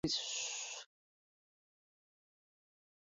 Dion performed it during her Courage World Tour.